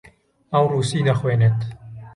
ئەو ڕووسی دەخوێنێت.